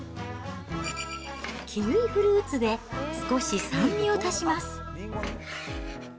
キウイフルーツで少し酸味を足します。